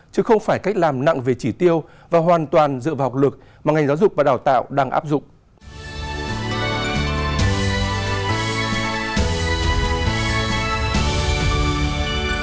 chứ không phải cách làm nặng về chỉ tiêu và hoàn toàn dựa vào học lực mà ngành giáo dục và đào tạo đang áp dụng